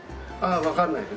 わかんないです。